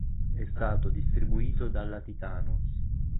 È stato distribuito dalla Titanus.